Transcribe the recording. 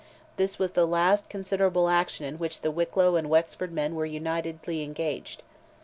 This was the last considerable action in which the Wicklow and Wexford men were unitedly engaged.